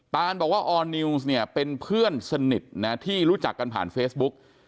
ตานบอกว่าออร์นิวส์เนี่ยเป็นเพื่อนสนิทนะที่รู้จักกันผ่านเฟซบุ๊ก